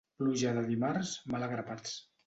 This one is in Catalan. Pluja de dimarts, mal a grapats.